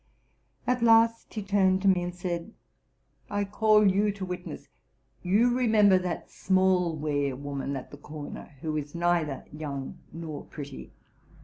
At last he turned to me, and said, '*T call you to witness! You remember that small ware woman at the corner, who is neither young nor pretty?